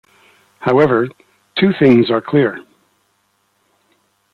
However, two things are clear.